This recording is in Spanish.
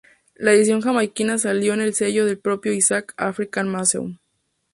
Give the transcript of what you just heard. La edición jamaicana salió en el sello del propio Isaacs, African Museum.